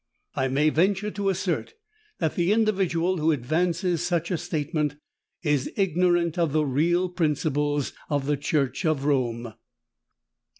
I may venture to assert that the individual who advances such a statement, is ignorant of the real principles of the Church of Rome.